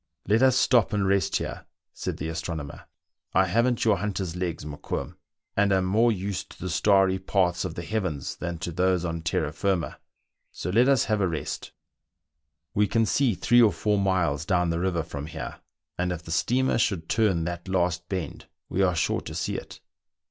Let us stop and rest here," said the astronomer ;I haven't your hunter's legs, Mokoum, and am more used to the starry paths of the heavens than to those on terra firma ; so let us have a rest ; we can see three or four miles down the river from here, and if the steamer should turn that last bend we are sure to see it."